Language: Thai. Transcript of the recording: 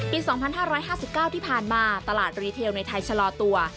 ปี๒๕๕๙ที่ผ่านมาตลาดรีเทลในไทยชะลอตัว